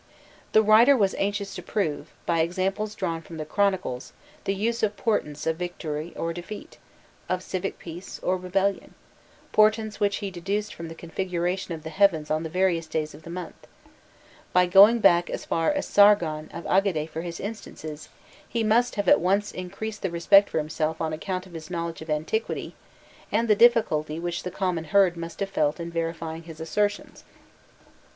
The writer was anxious to prove, by examples drawn from the chronicles, the use of portents of victory or defeat, of civic peace or rebellion portents which he deduced from the configuration of the heavens on the various days of the month: by going back as far as Sargon of Agade for his instances, he must have at once increased the respect for himself on account of his knowledge of antiquity, and the difficulty which the common herd must have felt in verifying his assertions.